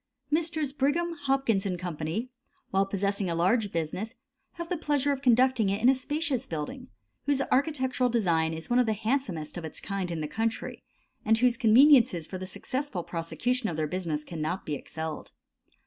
Messrs. Brigham, Hopkins & Co., while possessing a large business, have the pleasure of conducting it in a spacious building, whose architectural design is one of the handsomest of its kind in the country, and whose conveniences for the successful prosecution of their business cannot be excelled.